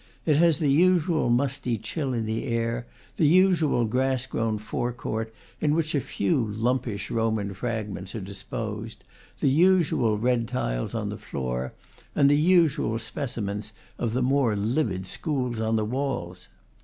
It has the usual musty chill in the air, the usual grass grown fore court, in which a few lumpish Roman fragments are disposed, the usual red tiles on the floor, and the usual specimens of the more livid schools on the walls.